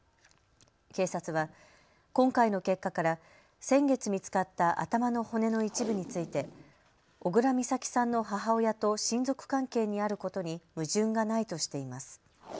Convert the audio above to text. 警察は今回の結果から先月見つかった頭の骨の一部について小倉美咲さんの母親と親族関係にあることに矛盾がないとしています。